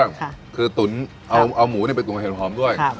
ค่ะคือตุ๋นเอาเอาหมูเนี้ยไปตรงกับเห็ดหอมด้วยครับ